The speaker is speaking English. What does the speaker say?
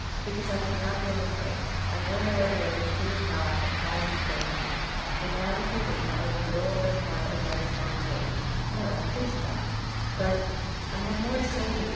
"Because I cannot be an ingrate. I know no other way to prove how I have prized your faith in me.... And now, with your leave, I will go away quietly by this garden gate " "No please, no!" "But " "I have more to say to you.